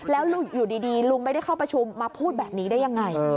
แล้วอยู่ดีลุงไม่ได้เข้าประชุมมาพูดแบบนี้ได้ยังไง